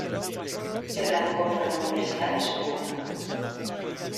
Se graduó por la Universidad de Tsukuba.